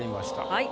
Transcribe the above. はい。